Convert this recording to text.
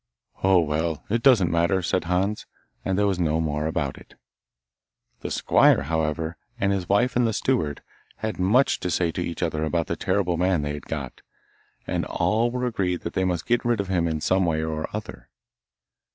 'Oh well, it doesn't matter, 'said Hans, and there was no more about it. The squire, however, and his wife and the steward, had much to say to each other about the terrible man they had got, and all were agreed that they must get rid of him in some way or other.